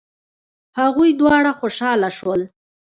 هغوی دواړه خوشحاله شول.